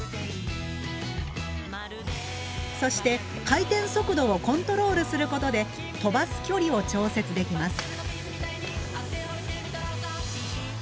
そして回転速度をコントロールすることで飛ばす距離を調節できます。